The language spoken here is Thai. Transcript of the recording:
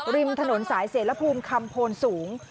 ริมถนนสายเสรภูมิคำโพนสูง